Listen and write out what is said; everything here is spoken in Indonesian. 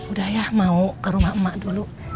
udah ya mau ke rumah emak dulu